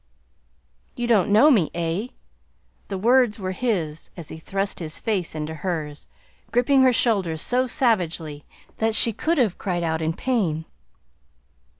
"You don't know me, eh?" The words were his as he thrust his face into hers, gripping her shoulders so savagely that she could have cried out in pain.